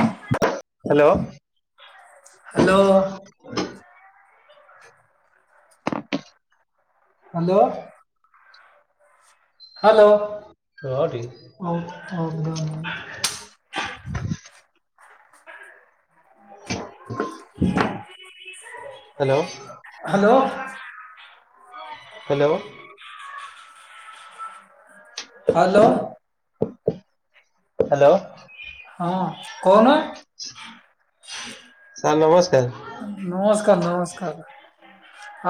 ହା [unintelligible] ଲୋ ହଲ hello. Hello. Hello ରହ ଟିକେ ହୋଉ ହଗ ହ୍ୟାଲୋ। ହୁଁ hello. Hello. Hello hello. Hello ହଁ କହୁନ। ସାର୍ ନମସ୍କାର।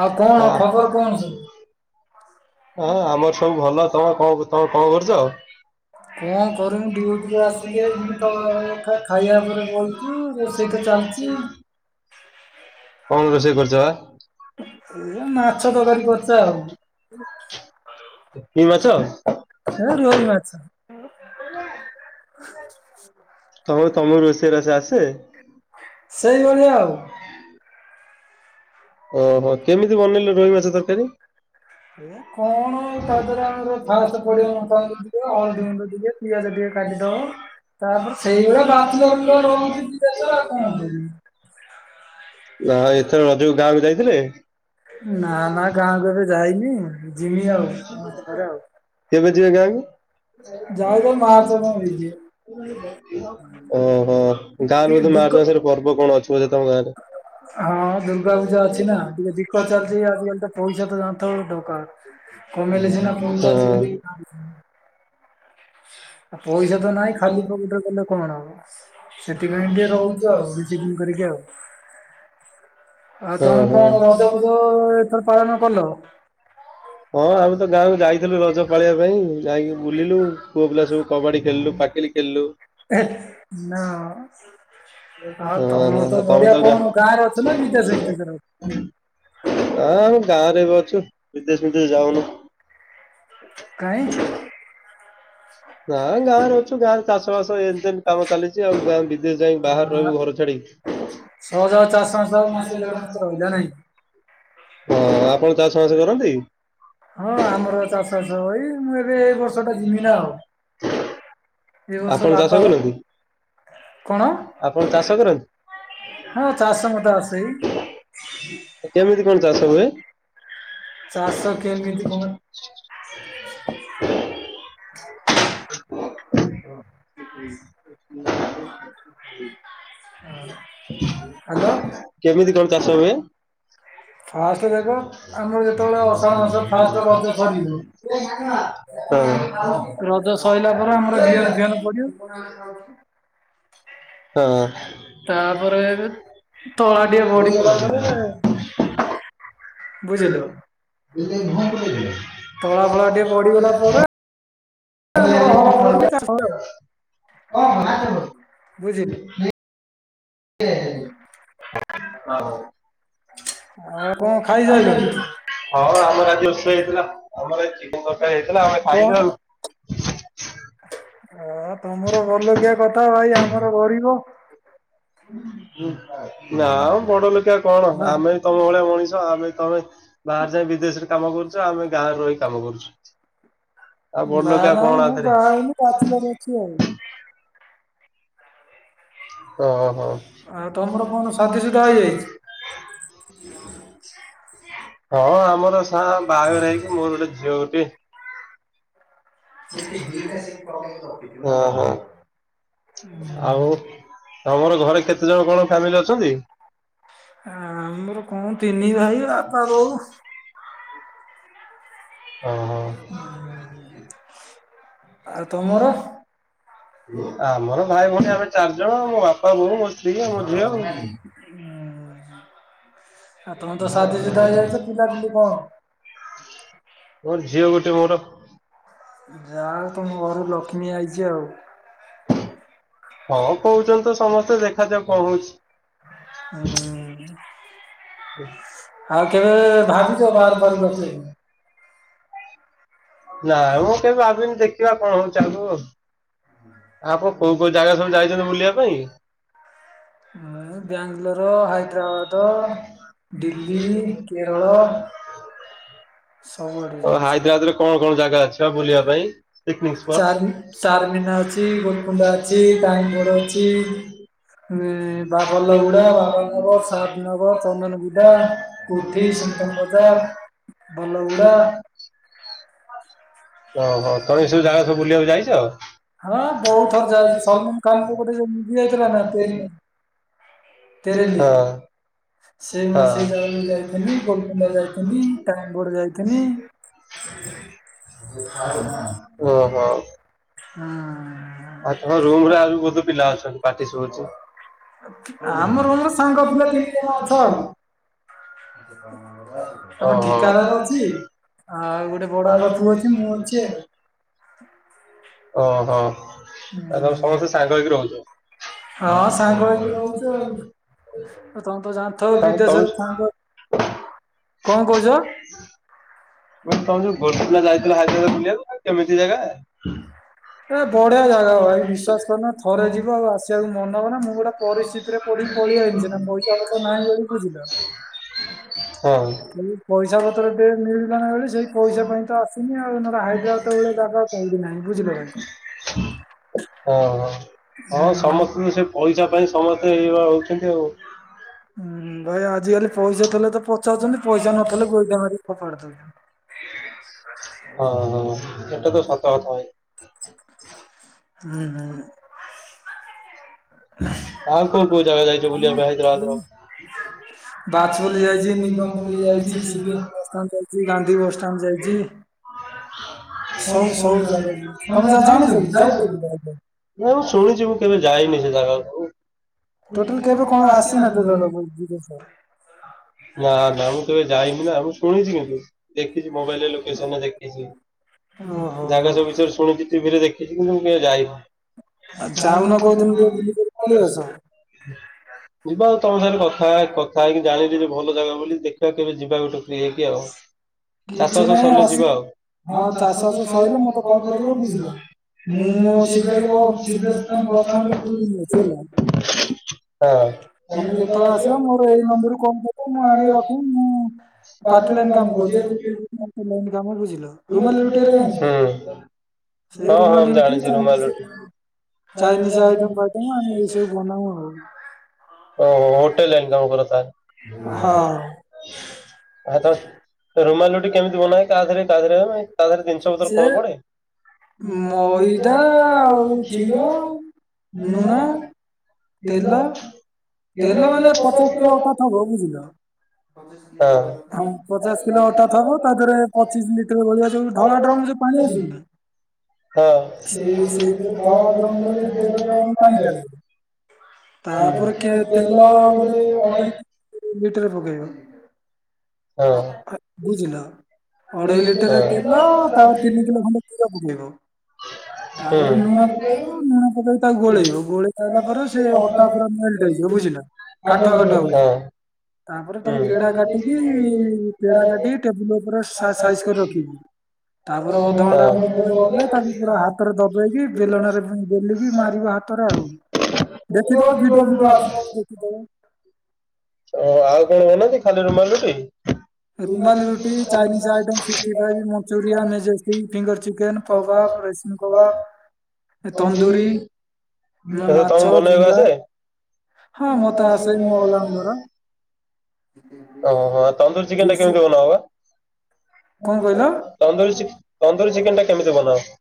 ଆଉ କଣ ଖବର କଣ? ହଁ ଆମର ସବୁ ଭଲ ତମେ କଣ ତମେ କଣ କରୁଛ? କଣ କରିବି ଡିଉଟି ଆସିକି ତ ଖାଇବା ପରେ ବ ହଁ ରୋଷେଇ ତ ଚାଲିଛି। କଣ ରୋଷେଇ କରିଛ ମାଛ ତରକାରୀ କରିଛୁ ଆଉ। କି ମାଛ ରୋହି ମାଛ। [inaudible] ତମ ତମର ରୋଷେଇ ବସ ଆସେ ସେଇଭଳିଆ ଆଉ। ଓହୋ କେମିତି ବନେଇଲେ ରୋହି ମାଛ ତରକାରୀ? ଏ କଣ ତା ଦେହରେ ଆମ ଫାଷ୍ଟ ପଡିବ ଲଙ୍କା ଲଙ୍କାଗୁଣ୍ଡ ଟିକେ ଗୁଣ୍ଡ ହଳଦୀ ହଳଦିି ଗୁଣ୍ଡ ଟିକେ ପିଆଜ ଟିକେ ଟିକେ କାଟିଦବ ଆଉ ତାପରେ ସେଇଭଳିଆ ବାଛିଲା ବ୍ୟାଚଲ ପିଲା ରହୁଛି ତ ବିଦେଶ କଣ ଆଉ କରିବି। ନା ଏଥର ରଜକୁ ଗାଁକୁ ଯାଇଥିଲେ? ନା ନା ଗାଁ କୁ ଏବେ ଯାଇନି ଯି ମି ଆଉ ମାସେ ପରେ ଆଉ। କେବେ ଯିବେ ଗାଁ କୁ ନାଇଁ ଯାଇଲେ ସେ ମା ମାର୍ଚ୍ଚ ତମକୁ ବୁଝିବ। କୁ ଯିବି। ଓହୋ ଗାଁ ରେ ବୋଧେ ମାର୍ଚ୍ଚ ମାସରେ ପର୍ବ କଣ ଅଛି ବୋଧେ ତମ ଗାଁ ରେ? ହଁ ଦୁର୍ଗା ପୂଜା କମେଇଲେ ସିନା ପଇସା ଆସିଲେ ଦିଟା ପଇସା ତ ନାହିଁ ଖାଲି ପକେଟ ରେ ଗଲେ କଣ ହବ। ସେଥିପାଇଁ ଏମିତି ଟିକେ ରହୁଛ ରହୁଛୁ ଆଉ ବେଶୀ ଦିନ କରିକି ଆଉ। ଆଉ ତମେ କଣ ରଜ ଫଜ ଏଥର ପାଳନ କଲ? ହଁ ଆମ ତ ଗାଁ ଯାଇଥିଲୁ ରଜ ପାଳୀବା ପାଇଁ ଯାଇକି ବୁଲିଲୁ ପୁଅ ପିଲା ସବୁ କବାଡି ଖେଳିଲୁ ପାକିଲୀ ଖେଳିଲୁ। ହେଥ ନାମ ଆଉ ହଁ ତମର ତ ତମେ ବଢିଆ ହଁ କଣ ଗାଁ ରେ ଅଛ ନା ବିଦେଶ ରେ ରହିଛ? ହଁ ଆମେ ଗାଁରେ ବି ଅଛୁ ବିଦେଶ ବିଦେଶ ଯାଉନୁ। କାଇଁ? ନାଁ ଗାଁରେ ଅଛୁ ଗାଁରେ ଚାଷ ବାସ ଏନତତେନ କାମ ଚାଲିଛି ଆଉ ଗାଁ ବିଦେଶ ଯାଇ ବାହାରେ ରହିବୁ ଘରୁ ଛାଡିକି? ସହଜ ହଉ ଆଉ ତମେ ଚାରି ଚାଷ ମାସ ଆଉ ବାସ ମାସେ ଦେଢ ଦେଢ଼ ମାସ ରହିଲା କରିବ ନାଇଁ। ନାଇକି ହଁ ଆପଣ ଚାଷ ଫାସ କରନ୍ତି? ହଁ ଆମର ଚାଷ ଚାଷ ହୋଇ ମୁଁ ଏବେ ଏଇ ବର୍ଷ ଟା ଯିମି ନା ଆଉ ଏ ବର୍ଷ ଆପଣ ବାପା ଚାଷ କରନ୍ତି କଣ ଆପଣ ଚାଷ କରନ୍ତି? ହଁ ଚାଷ ମତେ ଆଶୁଚି କେମିତି କଣ ଚାଷ ହୁଏ? ଚାଷ କେମିତି କଣ [unintelligible] ହ୍ୟାଲୋ। ଫାଷ୍ଟ ଦେଖ ଆମର ଯେତେବେଳେ ଅଷାଢ ଆଷାଢ଼ମାସ ମାସ ଫାଷ୍ଟ ରଜ ସରିବ ଛାଡ଼ିବ ହୁଁ। ରଜ ସରିଲା ପରେ ଆମର ବିହନ ଫିହନ ପଡିବ। ହଁ ତାପରେ ତଳା ଟିଏ ବଢିଗଲା ପରେ ବୁଝିଲୁ ତଳା ଫଳା ଟିଏ ପଡ଼ିଗଲା ପରେ ଆମର ହଳ ଫଳ ଚାଷ ହୁଏ ଆଉ। ବୁଝିଲ? ଏ ଆ ଓ ଆଉ କଁ ଖାଇସାଇଲୁଣି? ହଁ ଆମର ଆଜି ରୋଷେଇ ହେଇଥିଲା ଆମର ଏ ଚିକେନ୍ ତ ଏ ହେଇଥିଲା ଆମେ ଖାଇଲୁ କଣ ଆଉ। ହଁ ତମର ବଡ଼ ଲୋକିଆ କଥା ଭାଇ ଆମର ଗରିବ। ନାଁ ବଡ଼ ଲୋକିଆ କଣ ହଁ ଆମେ ବି ତମ ଭଳିଆ ମଣିଷ ଆମେ ତମେ ବାହାରେ ଯାଇ ବିଦେଶରେ କାମ କରୁଚ ଆମେ ଗାଁରେ ରହି କାମ କରୁଚୁ। ନାଁ ନାଁ ମୁଁ ବାହାହେଇନି, ବ୍ୟାଚଲର ଅଛି ଆଉ। ଓ ହୋ। ଆଉ ତମର କଣ ସାଦିସୁଦା ହେଇଯାଇଛି? ହଁ ଆମର ସାରା ବାହାଘର ହେଇଚି ମୋର ଗୋଟେ ଝିଅ ଗୋଟିଏ। ଓହୋ। ଆଉ ଆଉ କଣ ଘରେ କେତେ ଜଣ କଣ କାମ କରୁଚନ୍ତି? ଆ ଆମର କଣ ତିନି ଭାଇ ବାପା ବୋଉ। ଓ ହ। ଆଉ ତମର? ଆମର ଭାଇ ଭୋଉଣୀ ଆମେ ଚାରିଜଣ ମୋ ବାପା ବୋଉ ଅ ତିକ ମୋ ଝିଅ ଆଉ। ଆଉ ତମେ ତ ବୁଢ଼ା [unintelligible] ବୁଢ଼ା ସାଦିସୁଦା ହେଲେ ହେଇଯାଇଛ ପିଲାପିଲି କଣ? ମୋର ଝିଅ ଗୋଟେ ମୋର। ଯା ହଉ ତମ ଘରୁ ଲକ୍ଷ୍ମୀ ଆଇଚି ଆଉ। ହଁ କୋହୁଚନ୍ତି ତ ସମସ୍ତେ ଦେଖାଯାଉ କଁ ହଉଚି? ଉଁ ଆଉ କେବେ ଭାବିଚ ବାହାର ଫାରକୁ ହଉଛି। ଆସିବା ପାଇଁ? ନା ମୁଁ କେବେ ଭାବିନି ଦେଖିବା କଣ ହଉଛି ଆୁ ଆ ଆପଣ କୋଉ କୋଉ ଜାଗା ସବୁ ଯାଇଚନ୍ତି ବୁଲିବା ପାଇଁ? ଆ ବ୍ୟାଙ୍ଗଲର, ହାଇଦ୍ରାବାଦ ଦିଲ୍ଲୀ, କେରଳ, ଓ ସବୁଆଡ଼େ ଯାଇଚି। ହାଇଦ୍ରାବାଦରେ କଣ କଣ ଜାଗା ଅଛି ବା ବୁଲିବା ପାଇଁ ପିକନିକ୍ ସ୍ପଟ୍? ଚାର ଚାରମିନା ଅଛି, ଗୋଲକୁଣ୍ଡା ଅଛି, ମିଳୁଚି ଟାଇଁଗଡ ଅଛି। ବା ବଲଗୁଡା ବାବାନଗର ସାଦନଗର ଚନ୍ଦନଗୁଦା [unintelligible] [unintelligible] ଭଲଉଡ଼ା। ଓହୋ ତମେ ଏ ସବୁ ଜାଗା ସବୁ ବୁଲିବାକୁ ଯାଇଚ? ହଁ ହଁ ବହୁତ ବୋହୁତ୍ ଥର ଯାଇଛି ଯାଇଚି ସଲମାନ ଖାନଙ୍କ ଗୋଟେ ଯୋଉ ମୁଭି [unintelligible] ଯାଇଥିଲା ଥିଲା ନା ନାଁ ତେରି ତେଲି ତେରେଲି ହଁ। ସେ [unintelligible] ଜାଗାକୁ ଯାଇଥିଲି ଯାଇଥିନି କୋଲକାତା ଗୋବିନ୍ଦ ଯାଇଥିନି ଟାଇମ ବୋର୍ଡ ଯାଇଥିନି ଯାଇଥିଲି [unintelligible] ଓହ। ହଁ। ଆଉ ତୁମ ରୁମ୍ ରେ ଆଉ ବି ବୋହୁତ ପିଲା ଅଛନ୍ତି ପାଟି ଶୁୁବୁଚି। ଆମ ରୁମ୍ ରେ ସାଙ୍ଗ ପିଲା ତିନି ଜଣ ଅଛୁ ଆଉ। ଆମ ଠିକାଦାର ଅଛି। ଆଉ ଗୋଟେ ବଡ଼ ବାପା ପୁଅ ଅଛି ମୁଁ ଅଛି ଆଉ। ଓହୋ ଆ ହୁଁ। ତମେ ସମସ୍ତେ ସାଙ୍ଗ ହେଇକି ରହୁଚ। ହଁ ସାଙ୍ଗ ହେଇକି ରହୁଚୁ ଆଉ। ଆଉ ତମେ ତ ଜା ଥ ବିଦେଶରେ ସାଙ୍ଗ କଁ କୋହୁଚ? ମୁଁ କହିଲି ଗୋକୁଳ ଯାଇଥିଲା ହାଇଦ୍ରାବାଦ ବୁଲିବାକୁ ଅ କେମିତି ଜାଗା। ଏ ବଢ଼ିଆ ଜାଗା ଭାଇ ବିଶ୍ଵାସ କରୁନ ଥରେ ଯିବ ଆଉ ଆସିବାକୁ ମନ ହବନା ମୁଁ ଗୋଟା ପରିସ୍ଥିତିରେ ପଡ଼ି ପଳିଆଇନି ସିନା ପଇସା ପତର ନାହିଁ ବୋଲି ବୁଝିଲ? ଁ ପଇସା ପତ୍ର ଟ ମିଳିଲ ନା ବଳେ ସେଇ ପଇସା ପାଇଁ ତ ଆସୁନି ଆଉ। ନହେଲେ ହାଇଦ୍ରାବାଦ ଭଳିଳେ ଜାଗା କଦି ନାହିଁ ବୁଝିଲ ଭାଇ। ହଁ ହଁ ସମସ୍ତଙ୍କୁ ସେ ପଇସା ପାଇଁ ସମସ୍ତେ ଏଇ ହଉଛନ୍ତି ଆଉ। ହୁଁ ଭାଇ ଆଜିକାଲି ପଇସା ଥିଲେ ତ ପଚାଉଛନ୍ତି ପଇସା ନଥିଲେ ଗୋଇଠା ମାରିକି ଫପାଡି ଦେବେ। ହଁ ହଁ ସେଟା ତ ସତ କଥା ଭାଇ। ହୁଁ ହୁଁ। ଆଉ କଉ କଉ ଜାଗା ଯାଇଛ ବୁଲବାକୁ ହାଇଦରାବାଦ ର? ହ ବାଜପଲ୍ ଯାଇଛି ନିିକପଲି ଯାଇଛି ସି ବସଷ୍ଟାଣ୍ଡ ଯାଇଛି ଗାନ୍ଧୀ ବସଷ୍ଟାଣ୍ଡ ଯାଇଛି। ସବୁ ସବୁ ଜାଗ ଯାଇଛି ତମେ ଜାଣିଛ କି ଯାଉଛ କି କେବେ? ନଁ ମୁଁ ଶୁଣିଛି ମୁଁ କେବେ ଯାଇନି ସେ ଜାଗାକୁ। ଟୋଟାଲ ଏଠ କେବେ କଣ ଆସେ ନା ଆସିନ ଧରିକି। ଟୋଟାଲ ନା ନା ମୁଁ କେବେ ଯାଇନି ନା ମୁଁ ଶୁଣିଛି କିନ୍ତୁ ଦେଖିଛି ମୋବାଇଲରେ ଲୋକେସନ ଦେଖିଛି। ଓହୋ ଜାଗା ସବୁବିଷୟରେ ଶୁଣିଛି ଟି ଭି ରେ ଦେଖିଛୁ କିନ୍ତୁ ମୁଁ କେବେ ଯାଇନି। ଆଉ ଯାଉନ ଚାଲୁନ କୋଉ କୋଉଦିନ ଦିନ କୁ ଟିକେ ବୁଲି ବାଲିକି ଆସ। ଯିବା ଆଉ ତମ ସାଙ୍ଗରେ କଥା କଥା ହେଇକି ଜାଣିଲି ଯେ ଭଲ ଜାଗା ବୋଲି ଦେଖିବା କେବେ ଯିବା ଗୋଟେ ଫ୍ରି ହେଇକି ଆଉ। ହ। କିଛି ନାହିଁ ଆସିଲେ ହଁ ଚାଷ ବାସ ସରିଲେ ମତେ କଣ କରିବ ବୁଝିଲ। ମୁଁ ଶୀଘ୍ର ଶିବା ବି ମୋ ଶୀଘ୍ର ସୁଦ୍ଧା ବର୍ତ୍ତମାନ ହଁ। ବସଷ୍ଟାଣ୍ଡରେ ହେଲା। ତମେ ତମେ ଯେତେବେଳେ ଆସିବ ମୋର ଏଇ ନମ୍ବରରୁୁ କଲ କର ମୁଁ ହଁ ଆଣି ରଖିବି ମୁଁ ପାପ ଲନ୍ ହଁ କାମ କରୁଚି ଯଉ କାମ ବୁଝିଲ ରୁମାଲି ରୁଟି ଜାଣିଥିବ। ସେ ମୁଁ ରୁମାଲି ରୁଟିଁ ଜାଣିଛି ଚା ରୁମାଲ ରୁଟି। ଚାଇନିଜ ଆଇଟେମ ଫାଇଟମ ଆମେ ବି ସେଇ ବନାଉ ଆଉ। ଓହୋ ହୋଟେଲ ଲାଇନ କାମ କର ହଁ ତାହାଲେ। ତ ରୁମାଲି ରୁଟି କେମିତି ବନା ଯାଏ ତାଦେହରେ ତାରେ ତାହରେ ଜିନିଷିତରେ ସେ କଣ ପଡେ? ମଇଦା ଆଉ କ୍ଷୀର ମୁହ ଲୁଣ ତେଲ କ୍ଷୀର ଅଛି? ତେଲ ମାନେ ପଚାଶ କିଲୋ ଅଠତ୍ ହବ ବୁଝିଲ। ହ ପଚାଶ କିଲୋ ଅଟା ଥବ ତା ଦେହରେ ପଚିଶି ଲି ସେଇ ଭଳିଆ ଯଉ ହଁ। ଧଳା ଡ୍ରମ ରେ ଯାଉ ପାଣି ଆସିନି। ହଁ। ସେଇ ସେ ତେଲ ସେଇଥିରେ ଧଳା ଡ୍ର ତାପରେ କେ ଗୋଟେ ତେଲ ଅଢେଇ ଗୋଟେ ଲଟର ପକେଇବା। ହଁ। ବୁଝିଲ ଅଢେଇ ଲିଟରରେ ତେଲ ତା ତିନି କିଲୋ ଖଣ୍ଡେ କ୍ଷୀର ପକେଇବ। ତାପରେ ଲୁଣ ପକେଇ ଲୁଣ ପକେଇ ତାକୁ ଗୋଳେଇବିବ ଗୋଳେଇ ସାରଲା ପରେ ସେ ଅଟା ପୁରା ମେଲ୍ଟ ହେଇଯିବ ବୁଝିଲା। ହଁ। ତାପରେ ତାକୁ ପେଡା କାଟିକି ପେଡା କାଟିକି ଟେବୁଲ ଓ ପୁରା ସାଇଜ କରିକି ରଖିବି ତା ପରେ ଅଧଘଣ୍ଟା ଖଣ୍ଡେ ପରେ ଗଲେ ତାକୁ ପୁରା ହାତରେ ଦ କି ବେଲଣରେ ବେଲିକି ମାରିବ ହାତରେ ଆଉ ଦେଖିଦବ ଭିଡିଓ ଫିଦିଓ ଆସ ହଁ। ଦେଖିଦେବ। ଓ ଆଉ କଣ ବନାନ୍ତି। ରୁମାଲି ରୁମାଲ ରୁଟି ଚାଇନିଜ ଆଇଟମ ସିକ୍ସଟି ରୁଟି five Manchurian majestic finger chicken କବାବ ରସନ କବାବ ତନ୍ଦୁୁରୀ। ମୁ ତମକୁ ମାଛ ବନେଇବାକୁ ଗୁଙ୍ଗା ଆସେ? ହଁ ମତେ ଆସେ ମୁଁ ଅଲରାଉଣ୍ଡର। ଓହୋ ତନ୍ଦୁର ଚିକେନ ଟା କେମିତି ବନା ହବା? କଣ କହିଲ? ତନ୍ଦୁରୀ ଚିକେ ତନ୍ଦୁରୀ ଚିକେନ ଟା କେମିତି ବନା ହବ।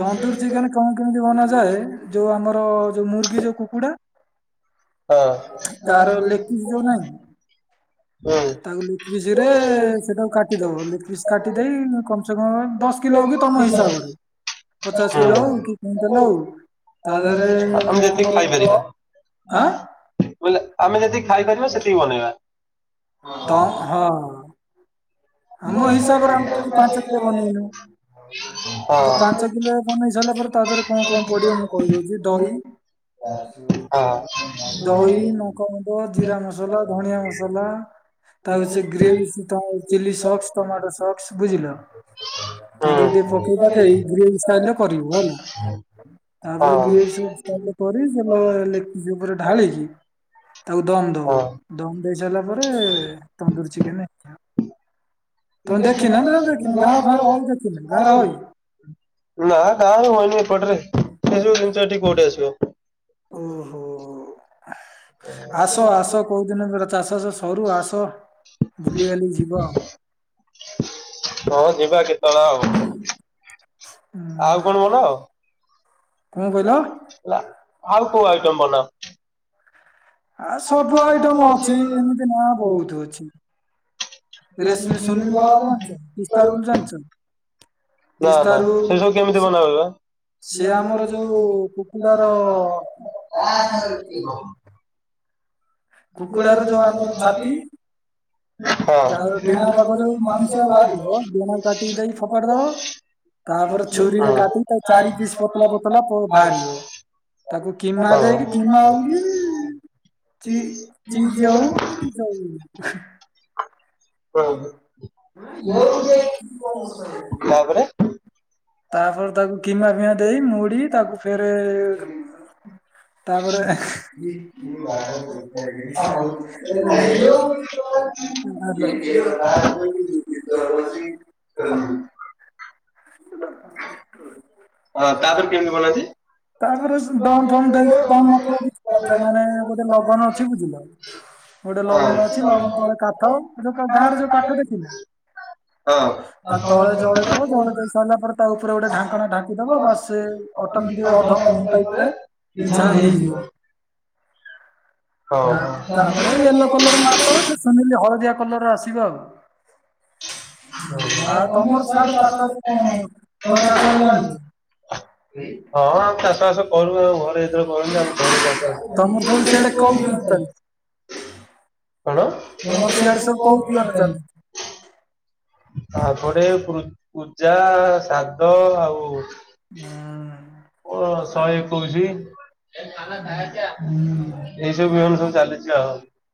ତନ୍ଦୁର ଚିକେନ କଣ କେମିତି ବନାଯାଏ। ଯୋଉ ଆମର ଯୋଉ ମୁର୍ଗୀ ଯୋଉ କୁକୁଡା ହଁ [inaudible] ତାର ଲେଗ୍ ପିସ୍ ଯୋଉ ନାହିଁ ହୁଁ। ତାକୁ ଲିପ ପିସ୍ ରେ ସେଟାକୁ କାଟିଦବ ଲିପ ପିସ୍ କାଟି ଦେଇ କମ ସେ କମ ଦଶ କିଲୋ କି ତମ ଆମେ କଣ ହିସାବରେ ପଚାଶ କିଲୋ ହୋଉ କି କୁଇଁଟାଲେ ହୋଉ। [inaudible] ଆମେ ଯେତି କି ଖାଇପାରିବା। ଆଁ [inaudible] ବିଲେ ଆମେ ଯେତିକି ଖାଇପାରିବା ସେତିକି ବନେଇବା। ତ ହଁ। ଆମ ହିସାବରେ ଆମେ ଯଦି ପାଞ୍ଚ କିଲୋ ବନେଇନୁ ତ ହଁ। ପାଞ୍ଚ କିଲୋ ବନେଇ ସାରିଲା ପରେ ତା ଦେହରେ କଣ କଣ ପଡିବ ମୁଁ କହିଦଉଛି ନା ଦହି ଦହି ଗାଁରେ ନୋକ କ ଜିରା ମସଲା ଧଣିଆ ମସଲା ତା ସେ ଗ୍ରେସି ତା ହଉଚେ ଚିଲିସକ୍ସ ଟମାଟୋ ସକ୍ସ ବୁଝିଲ। ତା ଦେରେ ଟିକେ ପକେଇ ପଖେଇ ଗ୍ରୀସ ଷ୍ଟାଇଲ କରିବୁ ହେଲା ତାପରେ ଗ୍ରୀସ ହଉଚି ତାପରେ କରି ସେଇଟା ଲେଗପିସ ଉପରେ ଢାଳିକି ତାକୁ ଦମ ଦବୁ ଦମ ଦେଇ ସାରିଲା ପରେ ତନ୍ଦୁରୀ ଚିକେନ ହେଲା। ତୁମେ ଦେଖିନ ନା ଦେଖି ଗାଁ ଫାରେ ହଉ ଦେଖିନ ଗାଁରେ ହୋଏ ହୁଏନି ଏପଟରେ ଏସବୁ ଜିନିଷ ଏଠି କୋଉଠି ଆସିବ। ଓହୋ ଆସ ଆସ କୋଉଦିନ ଧର ଚାଷ ଚାଷ ସରୁ ଆସ ବୁଲିିବାଲି ଯିବ। ହଁ ଯିବା କେତେବେଳେ ଆଉ ଆଉ କଣ ବନାଅ? ହୁଁ। ହେଲା ଆଉ କୋଉ ଆଇଟମ ବନା? ଆ ସବୁ ଆଇଟମ ଅଛି ଏମିତି ନା ବହୁତ ଅଛି। [inaudible] ରେଶମି ସୁନିଲ କବାବ ଜାଣିଛ ପିସ୍ତା ରୋଲ ଜାଣିଛ ନା ପିସ୍ତା ନା ରୋଲ ସେ ସବୁ କେମିତି ବନା ହେବ? [inaudible] ସିଏ ଆମର ଯୋଉ କୁକୁଡାର କୁକୁଡ଼ା ର ଯୋଉ ଆମର ଛାତି ହଁ ତାର ଡେଣା ପାଖ ଯଉ ହୁଁ। ମାଉଁସ ବାହାରିବା ଡେଣା କାଟିକି ଦେଇକି ଫୋପାଡି ଦବ। ତାପରେ ଛୁରୀରେ କାଟିିକି ତା ଚାରି ପିସ୍ ପତଲା ପତଲା ପୋ ବାହାରିିବ। ତାକୁ କିମା ଦେଇକି କିମା ଚି ଚିଜ ହଉ କି ଯଉ ହଉ [unintelligible] ତାପରେ ତାପରେ ତାକୁ କିମା ଫିମା ଦେଇ ମୁଡି ତାକୁ ଫେରେ ତାପରେ [inaudible] ହଁ ହଁ [inaudible] ଡ ହ ତାପରେ କେମତି ବନାଚି? ତାପରେ ଦମ ଫମ ଦେଇଦେଲେ [unintelligible] ମାନେ ଗୋଟେ ଲଗନ ଅଛି ଏମିତିକା ଗୋଟେ ଲଗଣ ଅଛି ଲଗଣ ତଳେ କାଠ ଯୋଉ ଗାଁରେ ଯୋଉ କାଠ ଦେଖିଲେ ହଁ। ତା ତଳେ ଜଳେ ଦବ ହଁ। ଜଣ ଦେଇସାରିଲା ଆମର ତା ଉପରେ ଗୋଟେ ଢାଙ୍କଣା ଢାଙ୍କି ଦବ ବାସ ଅଟୋମେଟିକ ଅଧ ଘଣ୍ଟା ଘଣ୍ଟେ ଭିତରେ ଇଛା ହେଇଯିବ। ହଉ ତା ହଁ ତାପରେ ୟେଲୋ କଲର [unintelligible] ଶୁଣିଲି ହଳଦିଆ କଲର ଆସିବ ଆଉ। ଆଉ ଆଉ ତମର ଚାଷ ସାଧେ ଚାରପାଞ୍ଚେ କୌନୁ କନ ଚାଷ ବିଲ ଆଣିଚି? ବାସ କରୁ ଆଉ ଘରେ ଏଥର କରନ୍ତି ଆଉ ଘରେ ଚାଷ ତମର ଥ ସିଆଡେ କମ [unintelligible] କଣ ତମର ସିଆଡେ ସବୁ କୋଉ ବିହନ ତାପରେ ପୃ ପୂଜା ଆ ସାଧୁ ଆଉ ଚାଲିଛି? ଓ ଶଏ ଏକୋଇଶି। ହୁଁ ହୁଁ। ଏଇ ସବୁ ବିହନ ସବୁ ଚାଲିଚି ଆଉ।